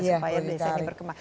supaya desain ini berkembang